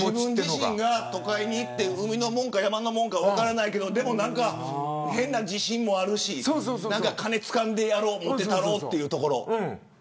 自分自身が都会に行って海のもんか、山のもんか分からないけど変な自信もあるし金、つかんでやろうモテたろうというところ。